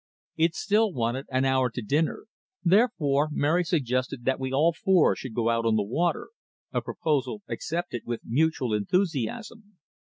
It still wanted an hour to dinner, therefore Mary suggested that we all four should go out on the water, a proposal accepted with mutual enthusiasm.